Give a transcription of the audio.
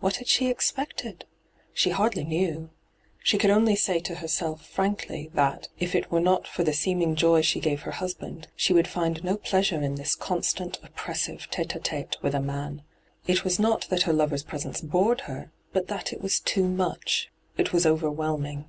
What had she expected ? She hardly knew. She could only say to herself frankly that, if it were not for the seeming joy she gave her husband, she would find no pleasure in this constant, oppressive tSte dhtite with a Man. It was not that her lover's presence bored her, but that it was too much — it was overwhelm ing.